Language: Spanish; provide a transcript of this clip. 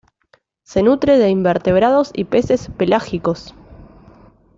Se nutre de invertebrados y peces pelágicos.